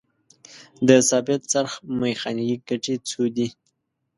د ثابت څرخ میخانیکي ګټې څو دي؟